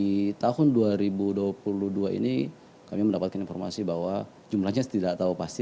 di tahun dua ribu dua puluh dua ini kami mendapatkan informasi bahwa jumlahnya tidak tahu pasti